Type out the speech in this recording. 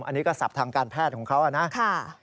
อันนี้ก็ศัพท์ทางการแพทย์ของเขานะ